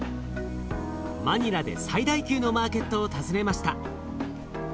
マニラで最大級のマーケットを訪ねました。